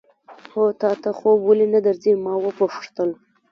هو، تا ته خوب ولې نه درځي؟ ما وپوښتل.